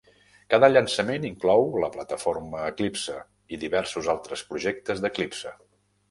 Cada llançament inclou la plataforma Eclipse i diversos altres projectes d'Eclipse.